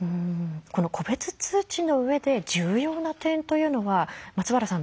この個別通知の上で重要な点というのは松原さん